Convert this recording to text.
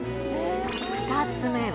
２つ目は。